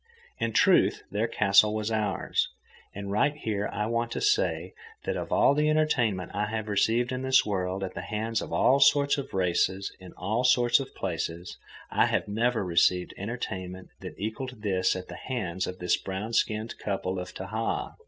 In truth, their castle was ours. And right here, I want to say that of all the entertainment I have received in this world at the hands of all sorts of races in all sorts of places, I have never received entertainment that equalled this at the hands of this brown skinned couple of Tahaa.